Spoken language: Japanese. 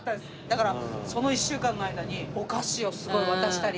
だからその１週間の間にお菓子をすごい渡したり。